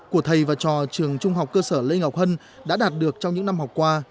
của thầy và trò trường trung học cơ sở lê ngọc hân đã đạt được trong những năm học qua